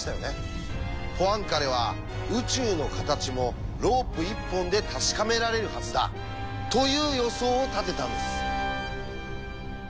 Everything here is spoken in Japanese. ポアンカレは「宇宙の形もロープ１本で確かめられるはずだ」という予想を立てたんです。